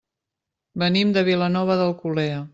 Venim de Vilanova d'Alcolea.